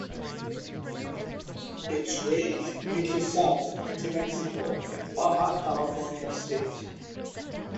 Its range reaches south into Mexico in Baja California state.